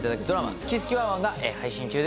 『すきすきワンワン！』が配信中です。